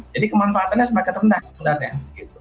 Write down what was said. jadi kemanfaatannya semakin rendah